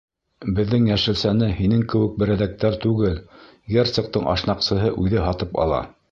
Беҙҙең йәшелсәне һинең кеүек берәҙәктәр түгел, герцогтың ашнаҡсыһы үҙе һатып ала.